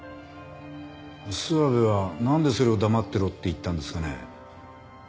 諏訪部はなんでそれを黙ってろって言ったんですかね？